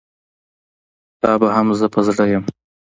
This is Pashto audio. ستا به هم زه په زړه یم.